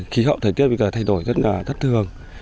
khí hậu thời tiết bây giờ thay đổi rất là thất thường